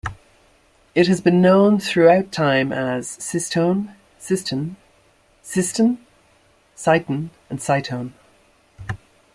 It has been known throughout time as Sistone, Siston, Systun, Syton, and Sytone.